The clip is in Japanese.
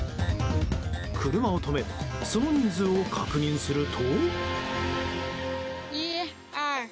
車を止めその人数を確認すると。